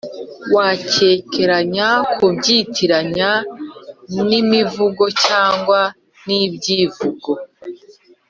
wakekeranya kubyitiranya n' i mivugo cyangwa n' ibyivugo